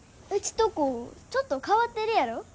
うちとこちょっと変わってるやろ。